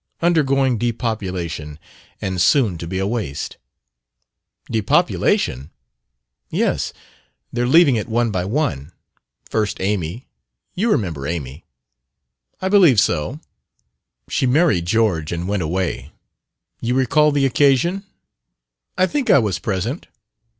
Undergoing depopulation, and soon to be a waste." "Depopulation?" "Yes; they're leaving it one by one. First, Amy. You remember Amy?" "I believe so." "She married George and went away. You recall the occasion?" "I think I was present."